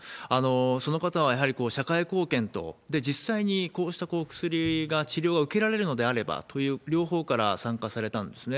その方はやはり社会貢献と、実際にこうした薬が、治療を受けられるのであればという両方から参加されたんですね。